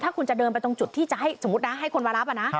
ถ้าคุณจะเดินไปตรงจุดที่จะให้สมมุตินะให้คนมารับ